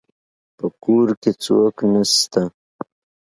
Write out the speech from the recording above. په کور کي څوک نسته